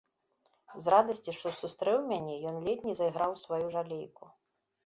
З радасці, што сустрэў мяне, ён ледзь не зайграў у сваю жалейку.